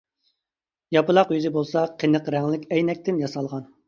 ياپىلاق يۈزى بولسا قېنىق رەڭلىك ئەينەكتىن ياسالغان.